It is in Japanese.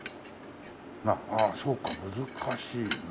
ああそうか難しいな。